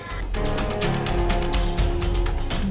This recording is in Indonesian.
itu kan sudah terjadi